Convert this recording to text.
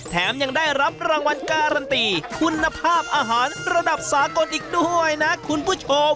แถมยังได้รับรางวัลการันตีคุณภาพอาหารระดับสากลอีกด้วยนะคุณผู้ชม